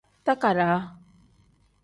Takadaa.